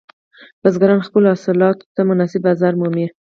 بزګران خپلو حاصلاتو ته مناسب بازار مومي.